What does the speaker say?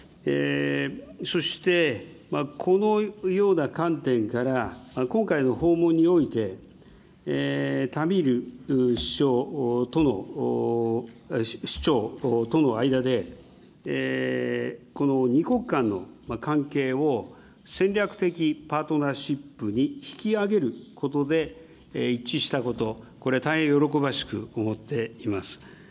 そして、このような観点から、今回の訪問において、タミーム首長との間で、この２国間の関係を戦略的パートナーシップに引き上げることで一致したこと、これ、大変喜ばしく思っています。